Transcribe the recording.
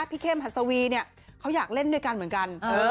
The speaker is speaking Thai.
เข้มหัสวีเนี่ยเขาอยากเล่นด้วยกันเหมือนกัน